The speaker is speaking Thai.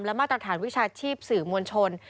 และมาตรฐานวิชาชีพสื่อมวลชน